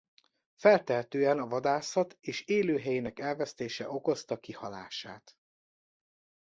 Feltehetően a vadászat és élőhelyének elvesztése okozta kihalását.